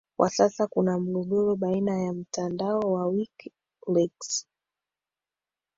kwa sasa kuna mgogoro baina ya mtandao wa wiki leaks